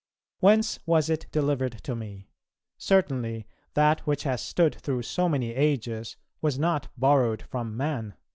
.... Whence was it delivered to me? Certainly that which has stood through so many ages was not borrowed from man.